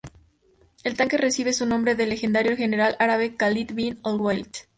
El tanque recibe su nombre del legendario general árabe Khalid bin al-Walid.